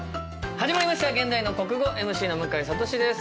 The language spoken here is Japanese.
始まりました「現代の国語」ＭＣの向井慧です。